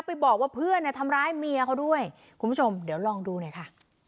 ไปบอกว่าเพื่อนเนี่ยทำร้ายเมียเขาด้วยคุณผู้ชมเดี๋ยวลองดูหน่อยค่ะ